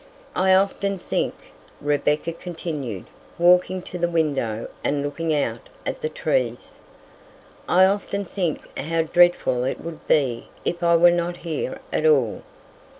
"I often think," Rebecca continued, walking to the window and looking out at the trees, "I often think how dreadful it would be if I were not here at all.